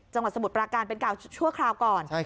สมุทรปราการเป็นกล่าวชั่วคราวก่อน